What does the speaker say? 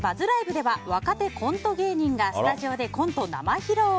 では若手コント芸人がスタジオでコント生披露。